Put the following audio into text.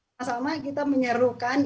sama sama kita menyerukan